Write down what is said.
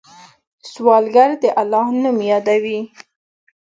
سوالګر د الله نوم یادوي